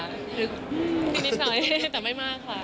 นิดนิดหน่อยแต่ไม่มากค่ะ